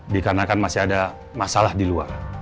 dikarenakan masih ada masalah di luar